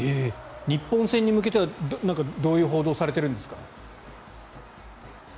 日本戦に向けてはどういう報道がされてるんですか。